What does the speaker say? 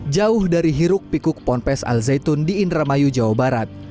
jauh dari hiruk pikuk ponpes al zaitun di indramayu jawa barat